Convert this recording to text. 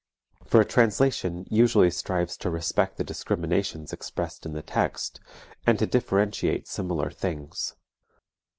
For a translation usually strives to respect the discriminations expressed in the text, and to differentiate similar things.